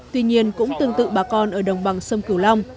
tuy nhiên cũng tương tự bà con ở đồng bằng sông cửu long